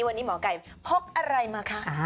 วันนี้หมอไก่พกอะไรมาคะ